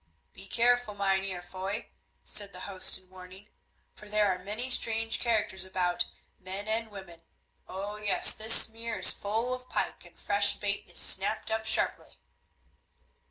"Be careful, Mynheer Foy," said their host in warning, "for there are many strange characters about, men and women. Oh! yes, this mere is full of pike, and fresh bait is snapped up sharply."